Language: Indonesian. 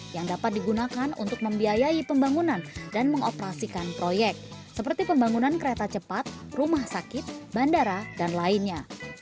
yang dapat digunakan untuk membiayai pembangunan dan mengoperasikan proyek seperti pembangunan kereta cepat rumah sakit bandara dan lainnya